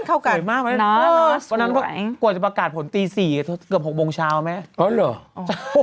เสร็จมากไหมวันนั้นกว่าจะประกาศผลตี๔เกือบ๖โมงเช้าไหมโอ้โห